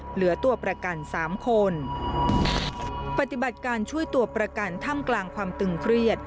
เหลือตัวประกันสามคนปฏิบัติการช่วยตัวประกันถ้ำกลางความตึงเครียด